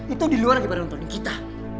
itu diluar lagi pada nontonin kita